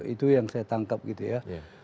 itu yang saya tangkap gitu ya